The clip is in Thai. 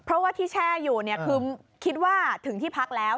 เพราะว่าที่แช่อยู่เนี่ยคือคิดว่าถึงที่พักแล้ว